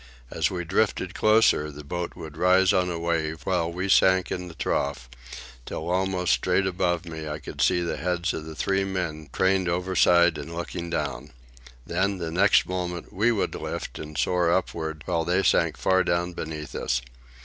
As we drifted closer the boat would rise on a wave while we sank in the trough, till almost straight above me I could see the heads of the three men craned overside and looking down. Then, the next moment, we would lift and soar upward while they sank far down beneath us.